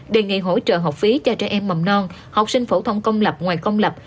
đề nghị hỗ trợ học phí cho trẻ em mầm non học sinh phổ thông công lập ngoài công lập